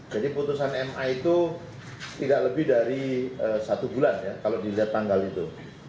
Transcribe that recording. jadi putusan ma itu tidak lebih dari satu bulan ya kalau dilihat tanggal itu